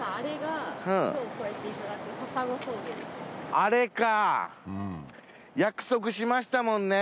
あれか約束しましたもんね。